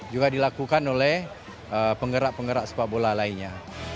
juga dilakukan oleh penggerak penggerak sepak bola lainnya